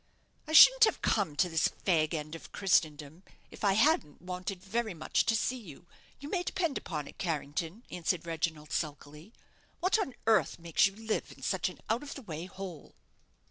"I shouldn't have come to this fag end of Christendom if I hadn't wanted very much to see you, you may depend upon it, Carrington," answered Reginald, sulkily. "What on earth makes you live in such an out of the way hole?"